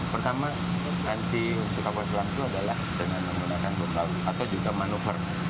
pertama anti untuk kapal selam itu adalah dengan menggunakan boot laut atau juga manuver